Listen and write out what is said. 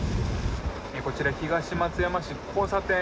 こちら、東松山市の交差点。